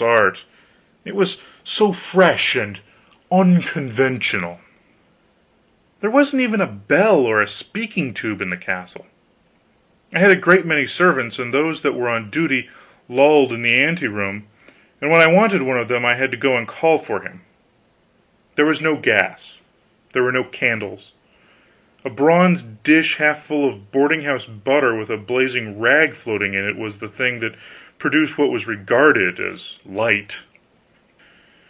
's art, it was so fresh and unconventional. There wasn't even a bell or a speaking tube in the castle. I had a great many servants, and those that were on duty lolled in the anteroom; and when I wanted one of them I had to go and call for him. There was no gas, there were no candles; a bronze dish half full of boarding house butter with a blazing rag floating in it was the thing that produced what was regarded as light.